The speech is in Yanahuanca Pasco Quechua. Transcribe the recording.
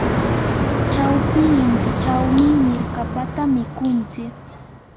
chawpi intichawmi mirkapata mikunchik.